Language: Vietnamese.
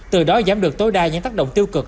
từ đó giảm được tối đa những tác động tiêu cực